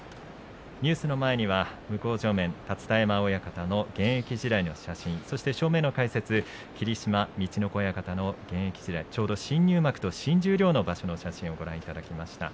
ニュースの前には向正面、立田山親方の現役時代の写真そして、正面の解説霧島陸奥親方の現役時代ちょうど新入幕と新十両の場所の写真をご覧いただきました。